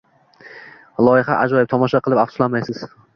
Loyiha ajoyib, tomosha qilib afsuslanmaysiz.